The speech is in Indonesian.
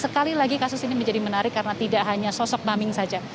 sekali lagi kasus ini menjadi menarik karena tidak hanya sosok maming saja